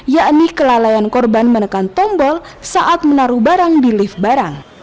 yakni kelalaian korban menekan tombol saat menaruh barang di lift barang